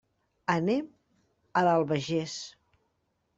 Anem a l'Albagés.